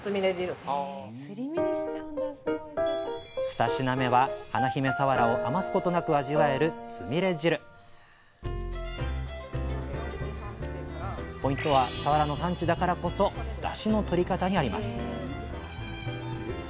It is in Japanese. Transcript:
二品目は華姫さわらを余すことなく味わえるつみれ汁ポイントはさわらの産地だからこそダシの取り方にあります